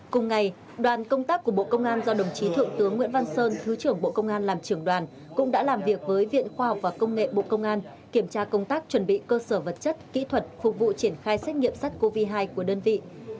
cùng ngày đoàn công tác của bộ công an do đồng chí thượng tướng nguyễn văn sơn thứ trưởng bộ công an làm trưởng đoàn cũng đã làm việc với viện khoa học và công nghệ bộ công an kiểm tra công tác chuẩn bị cơ sở vật chất kỹ thuật phục vụ triển khai xét nghiệm sars cov hai của đơn vị